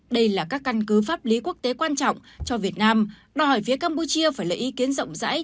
đây là các căn cứ pháp lý quốc tế quan trọng cho việt nam đòi hỏi phía campuchia phải lấy ý kiến rộng rãi